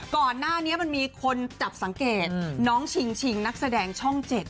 ก่อนหน้านี้มันมีคนจับสังเกตน้องชิงนักแสดงช่อง๗